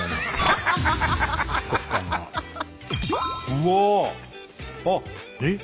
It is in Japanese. うわ！えっ？